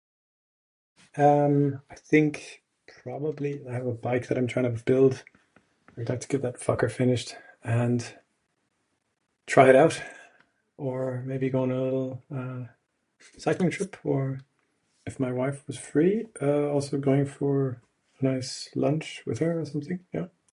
Um, I think probably I have a bike that I'm trying to build. I'd like to get that fucker finished and try it out. Or maybe go on a little, uh, cycling trip. Or if my wife was free, uh, also going for a nice lunch with her or something, yeah.